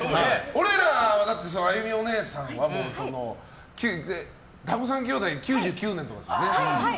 俺らは、あゆみおねえさんは「だんご３兄弟」９９年くらいですよね。